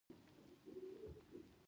چې تاته مې هم واده وکړ.